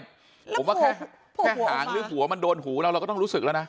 ผมว่าแค่หางหรือหัวมันโดนหูเราเราก็ต้องรู้สึกแล้วนะ